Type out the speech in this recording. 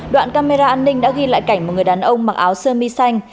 đoạn camera an ninh đã ghi lại cảnh một người đàn ông mặc áo sơ mi xanh